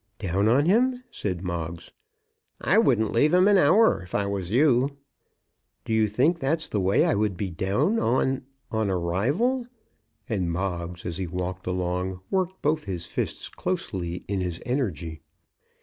"Down on him?" said Moggs. "I wouldn't leave him an hour, if I was you." "D'you think that's the way I would be down on, a rival?" and Moggs, as he walked along, worked both his fists closely in his energy.